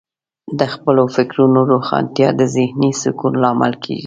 د خپلو فکرونو روښانتیا د ذهنې سکون لامل کیږي.